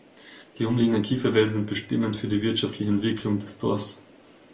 Die umliegenden Kiefernwälder sind bestimmend für die wirtschaftliche Entwicklung des Dorfs.